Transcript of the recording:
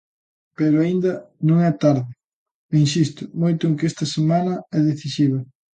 Pero aínda non é tarde, e insisto moito en que esta semana é decisiva.